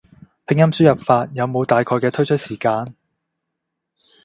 拼音輸入法有冇大概嘅推出時間？